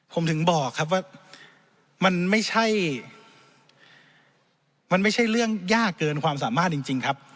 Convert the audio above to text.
ผมถึงบอกครับว่ามันไม่ใช่มันไม่ใช่เรื่องยากเกินความสามารถจริงครับ